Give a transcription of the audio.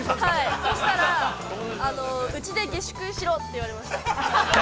そうしたら、うちで下宿しろと言われました。